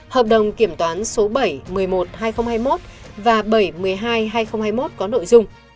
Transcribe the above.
hợp đồng kiểm toán số bảy một mươi một hai nghìn hai mươi một và bảy trăm một mươi hai hai nghìn hai mươi một có nội dung